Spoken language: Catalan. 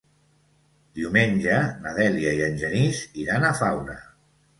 Diumenge na Dèlia i en Genís iran a Faura.